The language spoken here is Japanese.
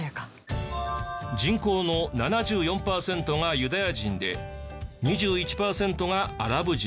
人口の７４パーセントがユダヤ人で２１パーセントがアラブ人。